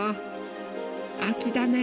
あきだね。